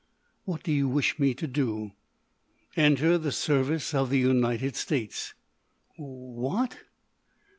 "What do you wish me to do?" "Enter the service of the United States." "Wh what?"